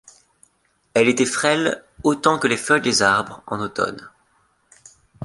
Elle était frêle autant que les feuilles des arbres en automne.